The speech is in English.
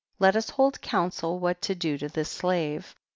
Jjet us hold counsel what to do to this slave.